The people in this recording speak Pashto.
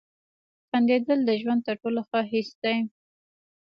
• خندېدل د ژوند تر ټولو ښه حس دی.